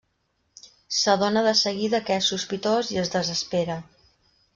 S'adona de seguida que és sospitós i es desespera.